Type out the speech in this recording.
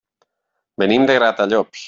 Venim de Gratallops.